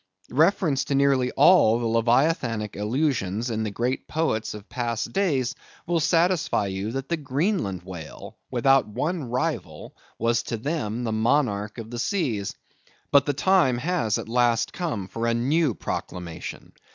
Reference to nearly all the leviathanic allusions in the great poets of past days, will satisfy you that the Greenland whale, without one rival, was to them the monarch of the seas. But the time has at last come for a new proclamation.